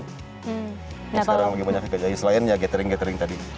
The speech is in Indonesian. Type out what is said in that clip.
sekarang lagi banyak yang saya kerjain selain gathering gathering tadi